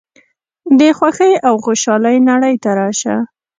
د خوښۍ او خوشحالۍ نړۍ ته راشه.